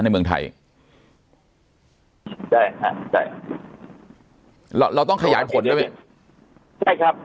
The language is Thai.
ในเมืองไทยใช่ค่ะใช่เราเราต้องขยายผลใช่ไหมพี่ใช่ครับ